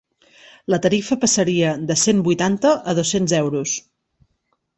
La tarifa passaria de cent vuitanta a dos-cents euros.